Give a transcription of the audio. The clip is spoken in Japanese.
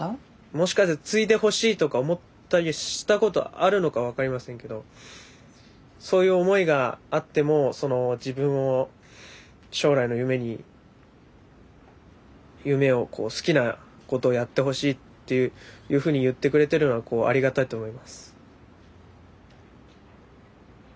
もしかして継いでほしいとか思ったりしたことあるのか分かりませんけどそういう思いがあっても自分を将来の夢を好きなことをやってほしいっていうふうに言ってくれてるのはありがたいと思います。